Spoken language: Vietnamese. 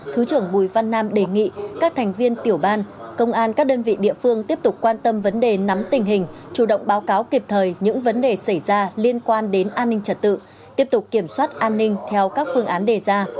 thứ trưởng bùi văn nam đề nghị các thành viên tiểu ban công an các đơn vị địa phương tiếp tục quan tâm vấn đề nắm tình hình chủ động báo cáo kịp thời những vấn đề xảy ra liên quan đến an ninh trật tự tiếp tục kiểm soát an ninh theo các phương án đề ra